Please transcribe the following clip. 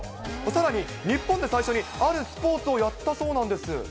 さらに、日本で最初にあるスポーツをやったそうなんです。